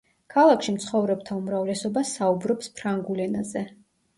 ქალაქში მცხოვრებთა უმრავლესობა საუბრობს ფრანგულ ენაზე.